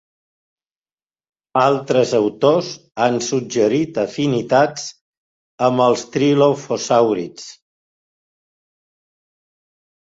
Altres autors han suggerit afinitats amb els trilofosàurids.